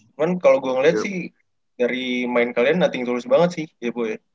cuman kalau gue ngeliat sih dari main kalian nothing touse banget sih ya bu ya